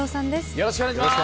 よろしくお願いします。